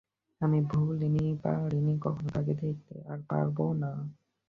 ব্রাহ্মণেরা দক্ষিণা এবং দুঃখীকাঙালগণ পয়সা ও কাপড় পাইয়া আশীর্বাদ করিয়া চলিয়া গেল।